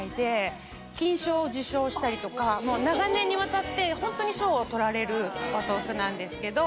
したりとかもう長年にわたってホントに賞を取られるお豆腐なんですけど。